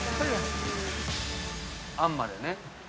◆あんまでね。